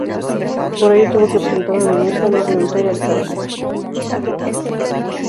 Por ello, tuvo que presentar la renuncia no voluntaria al cargo.